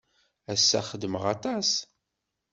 Ass-a, xedmeɣ aṭas.